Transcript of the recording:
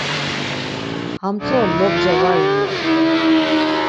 Hamtzo lobca var iyu!